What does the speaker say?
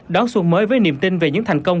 đón xuân mới với niềm tin về những thành công